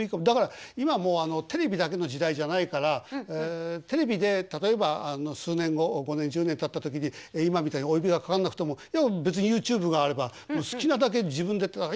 だから今もうテレビだけの時代じゃないからテレビで例えば数年後５年１０年たった時に今みたいにお呼びがかかんなくても別にＹｏｕＴｕｂｅがあれば好きなだけ自分でやって。